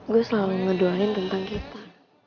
gue selalu ngedoain tentang kita